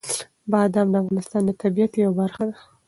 بادام د افغانستان د طبیعت یوه برخه ده.